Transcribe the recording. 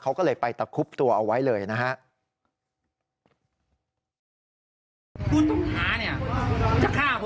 เขาก็เลยไปตะคุบตัวเอาไว้เลยนะฮะ